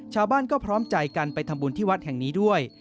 ชาวบ้านก็พร้อมใจกันไปทำบุญที่วัดแห่งนี้ด้วย